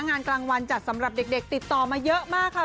งานกลางวันจัดสำหรับเด็กติดต่อมาเยอะมากค่ะ